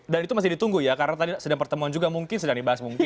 itu masih ditunggu ya karena tadi sedang pertemuan juga mungkin sedang dibahas mungkin